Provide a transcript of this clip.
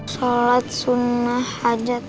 sholat sunnah hajat